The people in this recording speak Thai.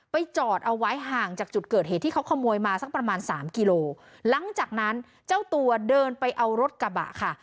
จอดเอาไว้ห่างจากจุดเกิดเหตุที่เขาขโมยมาสักประมาณสามกิโลหลังจากนั้นเจ้าตัวเดินไปเอารถกระบะค่ะ